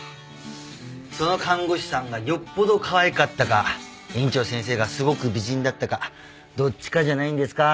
その看護師さんがよっぽどかわいかったか院長先生がすごく美人だったかどっちかじゃないんですか？